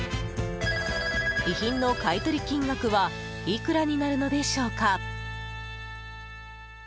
遺品の買い取り金額はいくらになるのでしょうか？